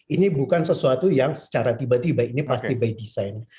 ini bukan sesuatu yang secara tiba tiba ini pasti by design